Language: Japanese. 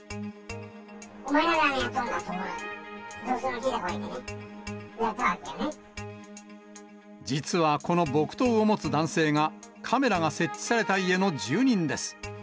お前ら何やっているんだって、実はこの木刀を持つ男性が、カメラが設置された家の住人です。